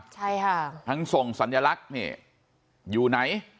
ใช่ค่ะทั้งส่งสัญลักษณ์นี่อยู่ไหน